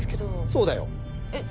そうだよ。え？